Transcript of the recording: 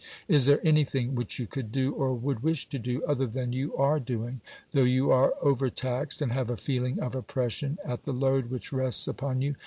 Is there anything which you could do, or would wish to do, other than you are doing? though you are overtaxed and have a feeling of oppression at the load which rests upon you.